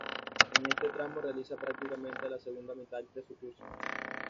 En este tramo realiza prácticamente la segunda mitad de su curso.